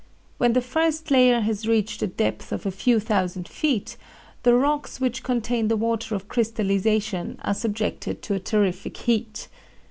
When the first layer has reached a depth of a few thousand feet the rocks which contain the water of crystalization are subjected to a terrific heat.